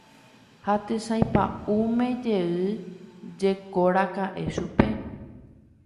ha tesay pa'ũme he'íjekoraka'e chupe